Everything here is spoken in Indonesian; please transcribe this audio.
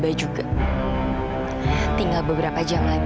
komunikasi ke quarters juga dibilang diganggu ganggu